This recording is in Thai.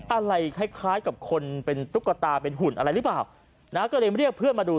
อะไรคล้ายคล้ายกับคนเป็นตุ๊กตาเป็นหุ่นอะไรหรือเปล่านะก็เลยมาเรียกเพื่อนมาดู